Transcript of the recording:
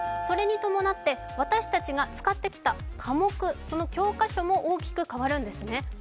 それに伴って私たちが使ってきた科目、その教科書も大きく変わるんですね。